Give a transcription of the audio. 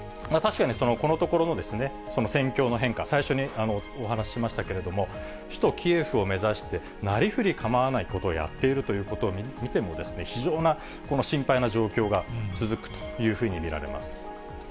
確かに、このところのその戦況の変化、最初にお話ししましたけれども、首都キエフを目指して、なりふり構わないことをやっているということを見ても、非常なこの心配な状況が続くというふうに見られます。